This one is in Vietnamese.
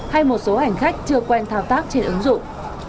hay một số hành khách chưa quen thao tác trên ứng dụng